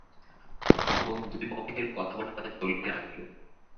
তখন দুই পক্ষে কথাবার্তা চলিতে লাগিল।